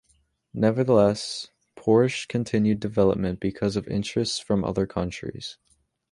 Nevertheless, Porsche continued development, because of interest from other countries.